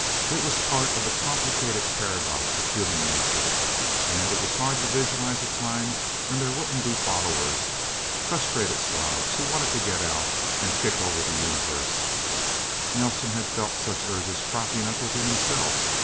It was part of the complicated paradox of human nature. And it was hard to visualize a time when there wouldn't be followers frustrated slobs who wanted to get out and kick over the universe. Nelsen had felt such urges cropping up within himself.